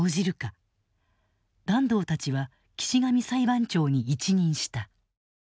團藤たちは岸上裁判長に一任した。